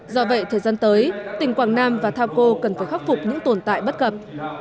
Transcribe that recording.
do vậy thời gian tới tỉnh quảng nam và thao cô cần phải khắc phục những tồn tại bất cập